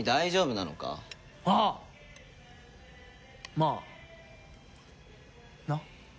まあなっ？